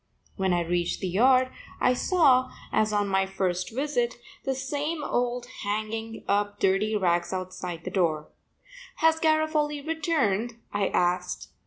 When I reached the yard I saw, as on my first visit, the same old man hanging up dirty rags outside the door. "Has Garofoli returned?" I asked.